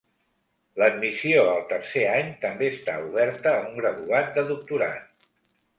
L'admissió al tercer any també està oberta a un graduat de doctorat.